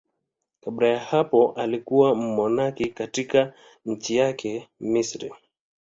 Kabla ya hapo alikuwa mmonaki katika nchi yake, Misri.